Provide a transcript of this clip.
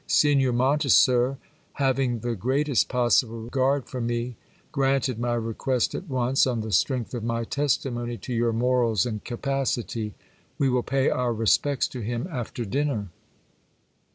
Signor Monteser having the greatest possible regard for me, granted my request at once, on the strength of my testimony to your morals and capa city. We will pay our respects to him after dinner.